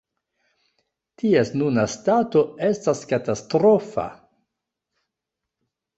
Ties nuna stato estas katastrofa.